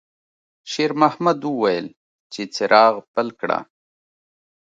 شېرمحمد وویل چې څراغ بل کړه.